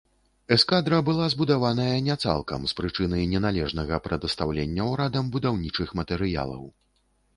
Эскадра была збудаваная не цалкам з прычыны неналежнага прадастаўлення урадам будаўнічых матэрыялаў.